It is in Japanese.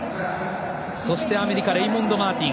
そしてアメリカレイモンド・マーティン。